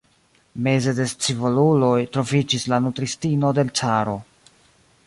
Meze de scivoluloj troviĝis la nutristino de l' caro.